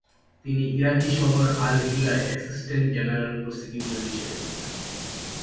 তিনি ইরাকি শহর আল-হিলায় অ্যাসিস্টেন্ট জেনারেল প্রসিকিউটর হিসেবে ছিলেন।